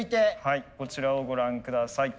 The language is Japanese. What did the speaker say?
こちらをご覧下さい。